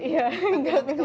ya nggak menyanggupi